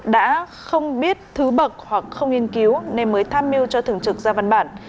đã không biết thứ bậc hoặc không nghiên cứu nên mới tham mưu cho thường trực ra văn bản